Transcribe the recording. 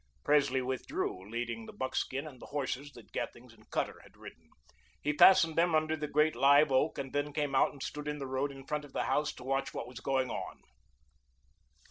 Presley withdrew, leading the buckskin and the horses that Gethings and Cutter had ridden. He fastened them under the great live oak and then came out and stood in the road in front of the house to watch what was going on.